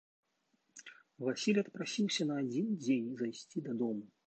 Васіль адпрасіўся на адзін дзень зайсці дадому.